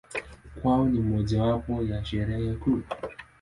Kwao ni mojawapo ya Sherehe kuu.